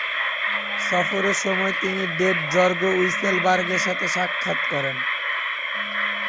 সফরের সময় তিনি ডেট জর্গ উইসেলবার্গের সাথে সাক্ষাৎ করেন।